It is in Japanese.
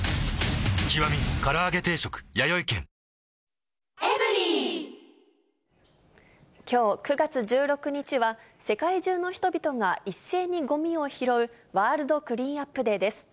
自転車はヘルメットをかぶり、きょう９月１６日は、世界中の人々が一斉にごみを拾うワールドクリーンアップデーです。